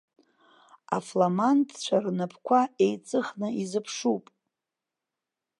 Афламандцәа рнапқәа еиҵыхны изыԥшуп.